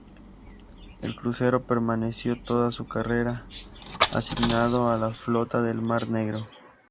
El crucero permaneció toda su carrera asignado a la "Flota del Mar Negro".